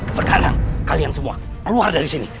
sekarang kalian semua keluar dari sini